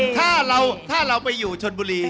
ถ้าเราไปอยู่ชนบุรี